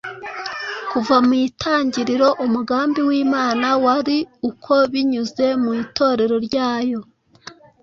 Kuva mu itangiriro, umugambi w’Imana wari uko binyuze mu Itorero ryayo,